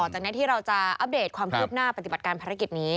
จากนี้ที่เราจะอัปเดตความคืบหน้าปฏิบัติการภารกิจนี้